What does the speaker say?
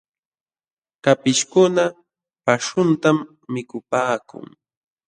Kapishkuna paśhuntam mikupaakun.